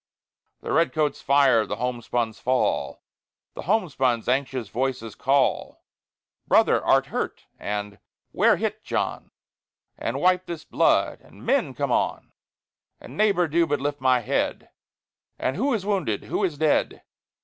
_ The red coats fire, the homespuns fall: The homespuns' anxious voices call, Brother, art hurt? and Where hit, John? And, Wipe this blood, and, Men, come on, And, Neighbor, do but lift my head, And, _Who is wounded? Who is dead?